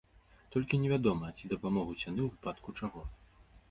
Толькі невядома, ці дапамогуць яны ў выпадку чаго.